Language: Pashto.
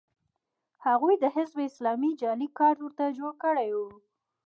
هغوی د حزب اسلامي جعلي کارت ورته جوړ کړی و